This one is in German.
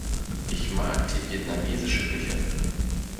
Ich mag die vietnamesische Küche.